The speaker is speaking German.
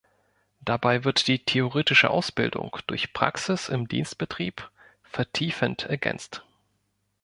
Dabei wird die theoretische Ausbildung durch Praxis im Dienstbetrieb vertiefend ergänzt.